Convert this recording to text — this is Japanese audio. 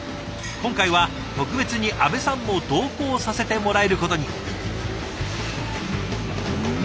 今回は特別に阿部さんも同行させてもらえることに。